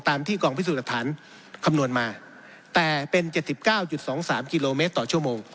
ที่กองพิสูจน์หลักฐานคำนวณมาแต่เป็น๗๙๒๓กิโลเมตรต่อชั่วโมง